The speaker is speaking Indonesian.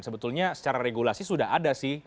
sebetulnya secara regulasi sudah ada sih